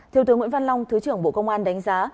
theo thứ nguyễn văn long thứ trưởng bộ công an đánh giá